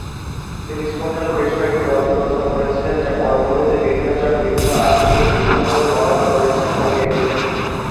তিনি জীবনকালে বেশ কয়েকটি গজল রচনা করেছিলেন যা পরবর্তীতে বিভিন্ন জন বিভিন্ন আঙ্গিকে বিভিন্নভাবে বর্ণনা করেছেন ও গেয়েছেন।